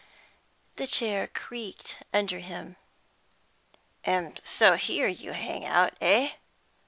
The chair creaked under him. "And so here you hang out, eh?